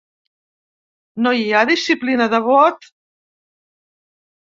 No hi ha disciplina de vot?